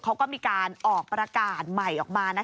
เขาก็มีการออกประกาศใหม่ออกมา